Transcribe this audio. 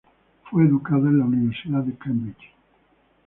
Fue educada en la Universidad de Cambridge.